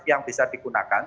yang bisa digunakan